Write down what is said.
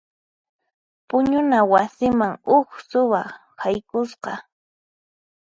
Puñuna wasiman huk suwa haykusqa.